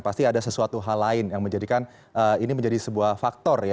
pasti ada sesuatu hal lain yang menjadikan ini menjadi sebuah faktor ya